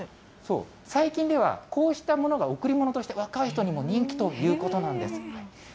最近ではこうしたものが贈り物として、若い人にも人気ということなんです。